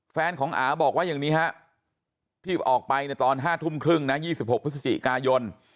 แฟนของอาบอกว่าอย่างนี้ฮะที่ออกไปในตอน๕ทุ่มครึ่งนะ๒๖พฤศจิกายน